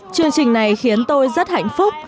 chương trình này khiến tôi rất hạnh phúc